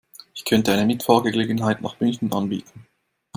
Ich könnte eine Mitfahrgelegenheit nach München anbieten